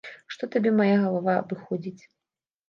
Што табе мая галава абыходзіць?!